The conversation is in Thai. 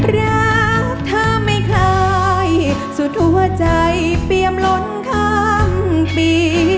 รักเธอไม่คล้ายสุดทั่วใจเปรียบหล่นคำปี